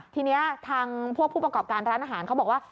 ทีนี้ทางพวกผู้ประกอบการร้านอาหารเขาบอกว่า